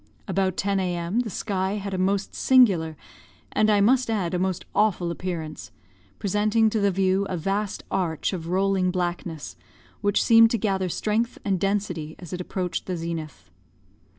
About 10 A.M., the sky had a most singular, and I must add a most awful appearance, presenting to the view a vast arch of rolling blackness, which seemed to gather strength and density as it approached the zenith.